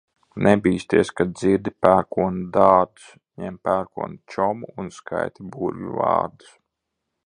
Nebīsties, kad dzirdi pērkona dārdus, ņem pērkona čomu un skaiti burvju vārdus.